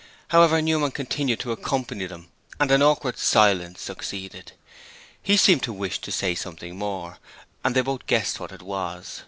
However, Newman continued to accompany them and an awkward silence succeeded. He seemed to wish to say something more, and they both guessed what it was.